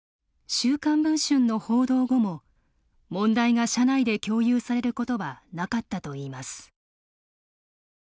週刊文春の報道後も問題が社内で共有されることはなかったといいます。